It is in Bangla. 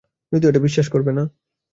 যদিও এটা বিশ্বাস করবে না।